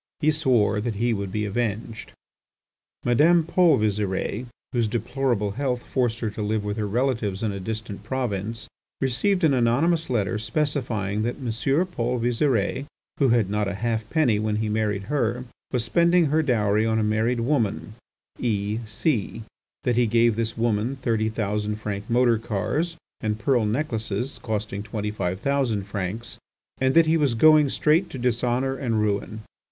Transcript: He swore that he would be avenged. Madame Paul Visire, whose deplorable health forced her to live with her relatives in a distant province, received an anonymous letter specifying that M. Paul Visire, who had not a half penny when he married her, was spending her dowry on a married woman, E— C—, that he gave this woman thirty thousand franc motor cars, and pearl necklaces costing twenty five thousand francs, and that he was going straight to dishonour and ruin.